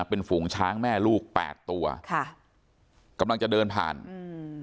เป็นฝูงช้างแม่ลูกแปดตัวค่ะกำลังจะเดินผ่านอืม